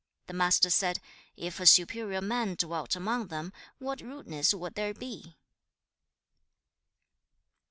The Master said, 'If a superior man dwelt among them, what rudeness would there be?'